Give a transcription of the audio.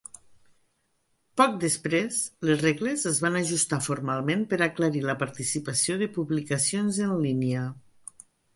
Poc després, les regles es van ajustar formalment per aclarir la participació de publicacions en línia.